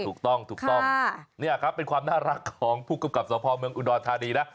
ถูกต้องเป็นความน่ารักของผู้กรรมกับสภาพเมืองอุดรทาดีนะ